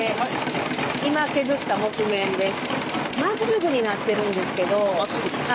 今削った木毛です。